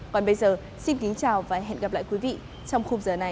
còn bây giờ xin kính chào và hẹn gặp lại quý vị trong khu vực giờ này ngày mai